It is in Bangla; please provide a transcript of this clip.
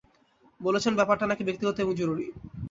বলেছেন, ব্যাপারটা নাকি ব্যক্তিগত এবং জরুরী।